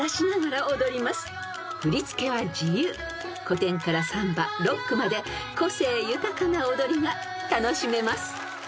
［古典からサンバロックまで個性豊かな踊りが楽しめます］